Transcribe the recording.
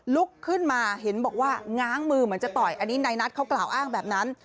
ลุกขึ้นมาเห็นบอกว่าง้างมือเหมือนจะต่อยอันนี้นายนัทเขากล่าวอ้างแบบนั้น